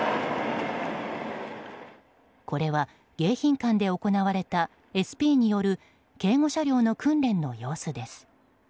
これは迎賓館で行われたＳＰによる警護車両の訓練の様子です。